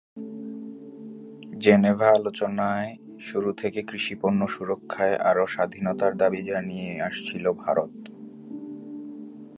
Geneva আলোচনায় শুরু থেকে কৃষিপণ্য সুরক্ষায় আরও স্বাধীনতার দাবি জানিয়ে আসছিল ভারত।